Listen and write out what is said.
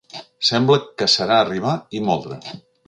Sembla que serà arribar i moldre.